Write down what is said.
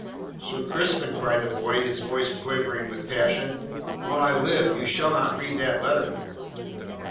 "Sir Crispin," cried the boy, his voice quavering with passion, "while I live you shall not read that letter!"